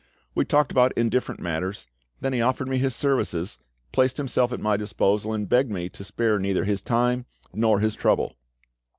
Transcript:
We talked about indifferent matters, then he offered me his services, placed himself at my disposal, and begged me to spare neither his time nor his trouble.